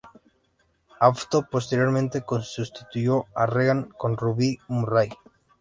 Afton posteriormente sustituyó a Regan con Ruby Murray.